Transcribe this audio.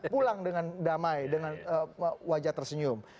pulang dengan damai dengan wajah tersenyum